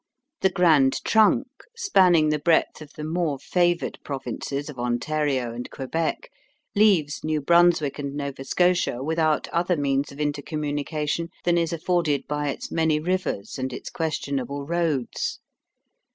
The Grand Trunk, spanning the breadth of the more favoured provinces of Ontario and Quebec, leaves New Brunswick and Nova Scotia without other means of intercommunication than is afforded by its many rivers and its questionable roads.